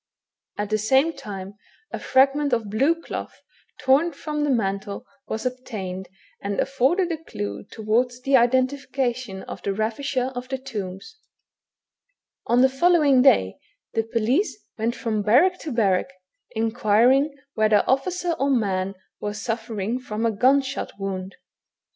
At the same time, a fragment of blue cloth, torn from the mantle, was obtained, and afforded a clue towards the identification of the ravisher of the tombs. On the following day, the police went from barrack THE HUMAN HYJENA. 257 to barrack, inquiring whether officer or man were suffer ing from a gun shot wound.